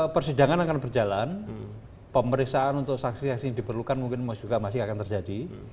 persidangan akan berjalan pemeriksaan untuk saksi saksi yang diperlukan mungkin juga masih akan terjadi